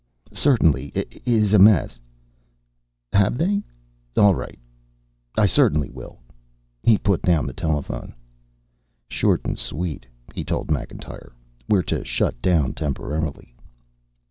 Certainly is a mess ... Have they? All right, I certainly will." He put down the telephone. "Short and sweet," he told Macintyre. "We're to shut down temporarily."